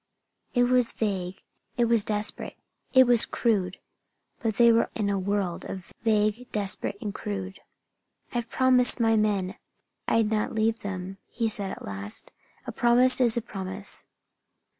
It was vague, it was desperate, it was crude. But they were in a world vague, desperate and crude. "I've promised my men I'd not leave them," he said at last. "A promise is a promise."